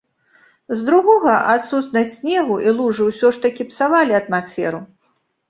З другога, адсутнасць снегу і лужы ўсё ж такі псавалі атмасферу.